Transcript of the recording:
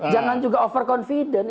jangan juga overconfident